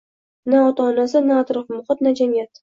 Na ota-onasi, na atrof muhit, na jamiyat